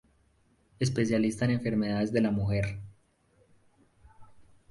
Especialista en enfermedades de la mujer"".